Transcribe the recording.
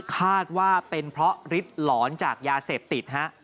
คาดว่าเป็นเพราะฤทธิ์หลอนจากยาเสพติดฮะ